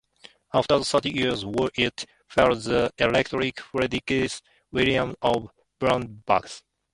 After the Thirty Years' War it fell to Elector Frederick William of Brandenburg.